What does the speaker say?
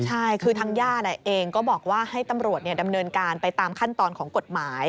ใช่คือทางญาติเองก็บอกว่าให้ตำรวจดำเนินการไปตามขั้นตอนของกฎหมาย